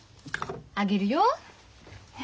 あげるよ。